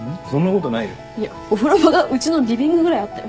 いやお風呂場がうちのリビングぐらいあったよ。